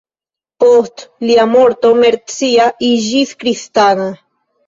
Post lia morto Mercia iĝis kristana.